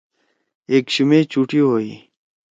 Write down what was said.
ایکشُمے چُھٹی ہوئی۔